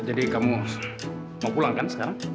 jadi kamu mau pulang kan sekarang